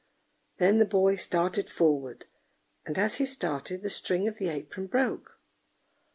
Then the boy started forward, and as he started, the string of the apron broke.